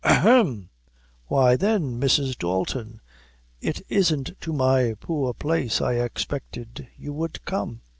"Hem a hem! why, thin, Mrs. Dalton, it isn't to my poor place I expected you would come."